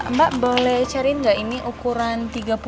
mbak boleh cariin gak ini ukuran tiga puluh dua